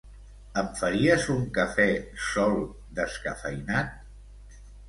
Em faries un cafè sol descafeïnat?